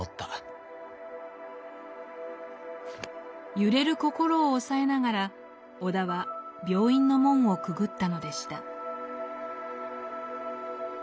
揺れる心を抑えながら尾田は病院の門をくぐったのでした。